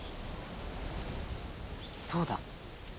そうだ！